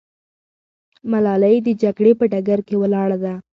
ملالۍ د جګړې په ډګر کې ولاړه ده.